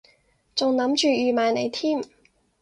仲諗住預埋你添